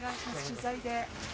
取材で。